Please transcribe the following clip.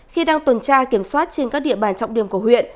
khi đang tuần tra kiểm soát trên các địa bàn trọng điểm của huyện